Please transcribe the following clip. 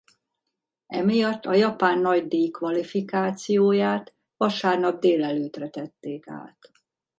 Emiatt a japán nagydíj kvalifikációját vasárnap délelőttre tették át.